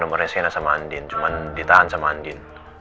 nomernya sena sama andin cuman ditahan sama andin